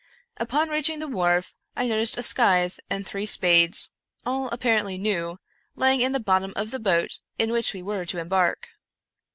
Upon reaching the wharf, I noticed a scythe and three spades, all apparently new, lying in the bottom of the boat in which we were to embark.